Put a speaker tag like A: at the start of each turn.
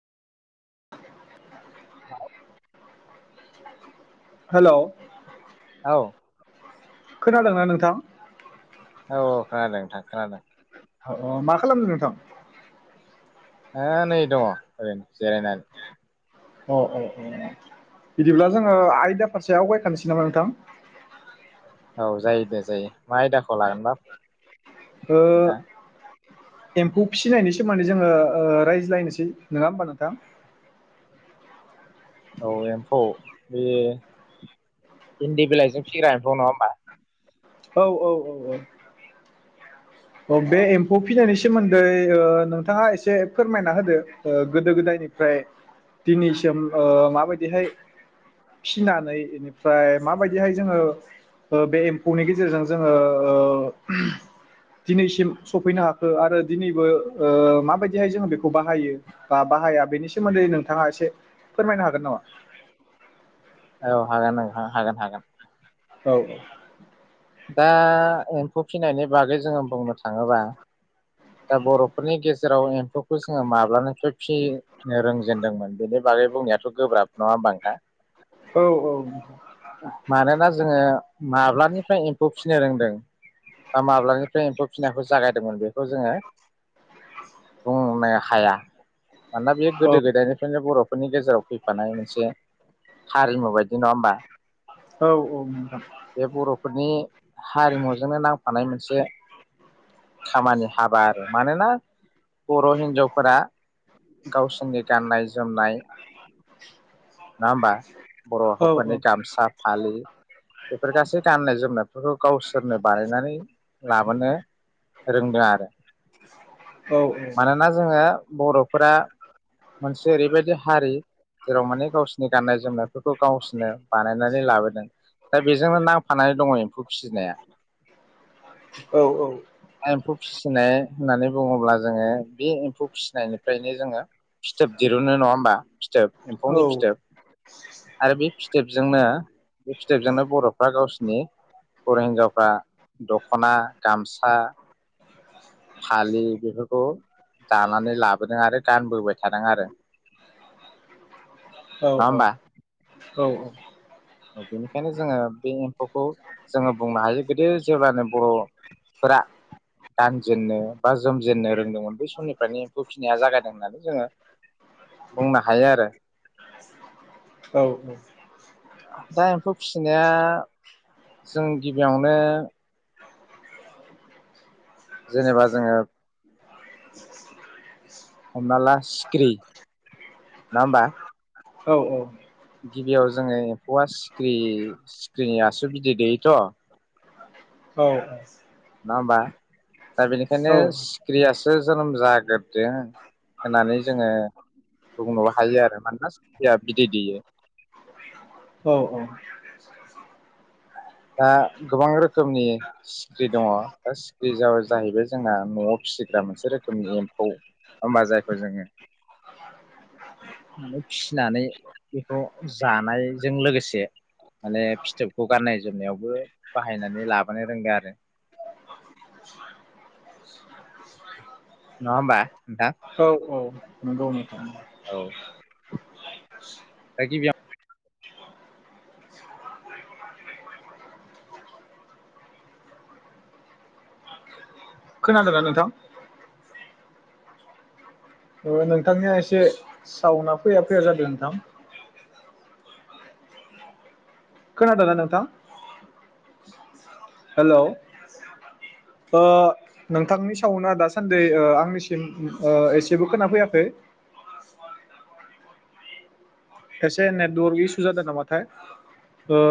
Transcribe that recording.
A: [inaudible]
B: Hello
A: औ
B: खोनादोंना नोंथां
A: औ औ खोनादों नोंथां खोनादों।
B: अ मा खालामदों नोंथां
A: हो नै दङ ओरैनो जिरायनानै
B: अ अ अ बिदिब्ला जोंङो आयदा फारसे आवगायखानोसै नामा नोंथां
A: औ जायो दे जायो। मा आयदाखौ लागोनबा
B: ओ
A: नोंथां
B: एम्फौ फिसिनायनि सोमोन्दै जोंङो रायज्लायनोसै नङा होमबा नोंथां
A: औ एम्फौ बे इन्दि बिलाइजों फिग्रा एम्फौ नङा होमबा
B: औ औ औ औ अ
A: औ
B: बे एम्फौ फिनानै सोमोन्दै ओ नोंथाङा एसे फोरमायना होदो ओ गोदो-गोदायनिफ्राय दिनैसिम ओ माबायदिहाय फिनानै बेनिफ्राय माबायदिहाय ओ जोंङो बे एम्फौनि गेजेरजों जोंङो दिनैसिम सफैनो हाखो आरो दिनैबो माबायदिहाय जोंङो बेखौ बाहायो बा बाहाया बेनि सोमोन्दै नोंथाङा एसे फोरमायनो हागोन नामा।
A: औ हागोन नोंथां हागोन हागोन।
B: औ
A: दा एम्फौ फिसिनायनि बागै जोंङो बुंनो थाङोबा दा बर'फोरनि गेजेराव एम्फौखौ जोंङो माब्लानिफ्राय फिनो रोंजेनदोंमोन बेनि बागै बुंनायाथ' गोब्राब नङा होनबा नोंथां
B: औ नोंथां
A: मानोना जोंङो माब्लानिफ्राय एम्फौ फिसिनो रोंदों बा माब्लानिफ्राय एम्फौ फिसिनायखौ जागायदोंमोन बे खौ जोंङो बुंनो हाया मानोना बे
B: औ
A: गोदो-गोदायनिफ्रायनो बर' फोरनि गेजेराव फैफानाय मोनसे हारिमु बायदि नङा होमबा
B: औ औ नोंथां
A: बे बर'फोरनि हारिमुजोंनो नां फैफानाय मोनसे खामानि आरो मानोना बर' हिनजावफोरा गावसोरनि गाननाय जोमनाय नंङा होमबा
B: औ
A: बर'फोरनि गामसा फालि बेफोर गासै गाननाय जोमनायफोरखौ गावसोरनो बानायनानै लाबोनो रोंदों आरो।
B: औ औ
A: मानोना जोंङो बर'फोरा मोनसे ओरैबायदि हारि जेराव माने गावसोरनि गाननाय जोमनायफोरखौ गावसोरनो बानायनानै लाबोदों दा बेजोंनो नांफानानै दङ एम्फौ फिसिनाया।
B: औ औ
A: एम्फौ फिसिनाय होननानै बुङोब्ला जोंङो बे एम्फौ फिसिनायनिफ्रायनो जोंङो फिथोब दिरुनो नङा होमबा फिथोब एम्फौनि फिथोब आरो बे फिथोबजोंनो बे फिथोबजोंनो बर'फ्रा गावसिनि बर' हिनजावफ्रा दख'ना गामसा फालि बेफोरखौ दानानै लाबोदों आरो गानबोबाय थादों आरो
B: औ
A: नङा
B: औ।
A: होमबा
B: औ औ।
A: बेनिखायनो जोङो बे एम्फौखौ जोङो बुंनो हायो गोदो जेब्लानो बर'फोरा गानजेन्नो बा जोमजेननो रोंदोंमोन बै समनिफ्रायनो एम्फौ फिनाया जागायदों होननानै जोङो बुंनो हायो आरो।
B: औ औ।
A: दा एम्फौ फिसिनाया जों गिबियावनो जेनेबा जोङो हमना ला सिखिरि ना होमबा।
B: औ औ।
A: गिबियाव जोङो एम्फौआ सिख्रि सिख्रिनि आसु बिदै दैयोथ'।
B: औ।
A: नङा हमबा। दा बेनिखायनो
B: औ
A: सिख्रियास। जो जोनोम जाग्रोदों होननानै जोङो बुंनोबो हायो आरो मानोना सिख्रिया बिदै दैयो।
B: औ
A: दा गोबां रोखोमनि सिख्रि दङ दा सिख्रि जा जाहैबाय जोंना न'आव फिसिग्रा मोनसे रोखोमनि एम्फौ हमबा जायखौ जोङो माने फिसिनानै बेखौ जानायजों लोगोसे माने फिथोबखौ गाननाय। जोमनायावबो बाहायनानै लाबोनो रोंदों आरो। नङा हमबा नोंथां।
B: औ औ नंगौ नोंथां
A: औ। दा गिबियाव।
B: खोनादोना नोंथां। ओ नोंथांनिया एसे साउना फैया फैया जादों नोंथां। खोनादोना नोंथां। हेलौ आ नोंथांनि सावना दासान्दि आ आंनिसिम एसेबो खोनाफैयाखै। एसे नेटवर्क इसु जादों नामाथाय आ